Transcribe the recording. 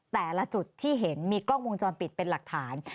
แต่ละจุดที่เห็นมีกล้องวงจรปิดเป็นหลักฐาน